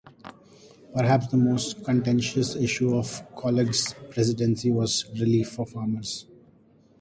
Perhaps the most contentious issue of Coolidge's presidency was relief for farmers.